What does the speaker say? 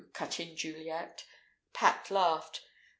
cut in Juliet. Pat laughed.